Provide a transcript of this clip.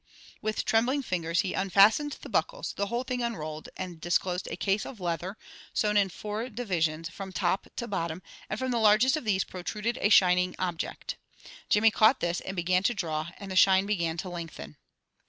With trembling fingers he unfastened the buckles, the whole thing unrolled, and disclosed a case of leather, sewn in four divisions, from top to bottom, and from the largest of these protruded a shining object. Jimmy caught this, and began to draw, and the shine began to lengthen.